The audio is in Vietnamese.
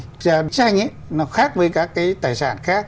trà tranh nó khác với các cái tài sản khác